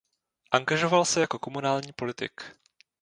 Angažoval se jako komunální politik.